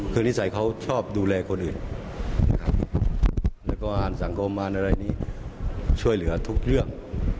เขาชอบดูแลคนอื่นและสังคมช่วยเหลือทุกเรื่อง